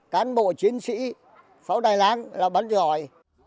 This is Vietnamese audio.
cán bộ chiến sĩ pháo đài láng là bắn giỏi